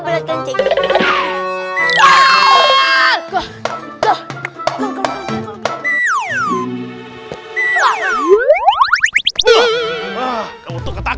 berhenti dengan keselamatan